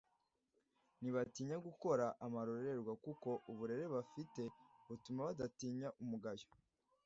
ntibatinya gukora amarorerwa kuko uburere bafite butuma badatinya umugayo